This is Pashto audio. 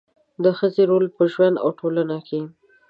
د ښځې رول په ژوند او ټولنه کې